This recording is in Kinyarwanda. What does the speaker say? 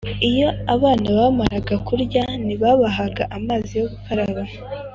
Iyo abana bamaraga kurya ntibabahaga amazi yo gukaraba;